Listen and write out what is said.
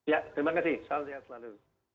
ya terima kasih salam sehat selalu